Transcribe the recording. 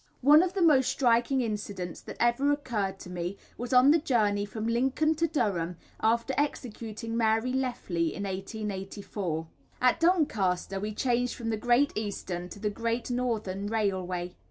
One of the most striking incidents that ever occurred to me was on the journey from Lincoln to Durham, after executing Mary Lefley, in 1884. At Doncaster we changed from the Great Eastern to the Great Northern Railway.